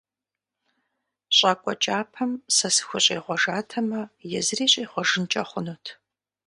ЩӀакӀуэ кӀапэм сэ сыхущӀегъуэжатэмэ, езыри щӀегъуэжынкӀэ хъунут.